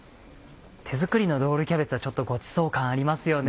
手作りのロールキャベツはごちそう感ありますよね。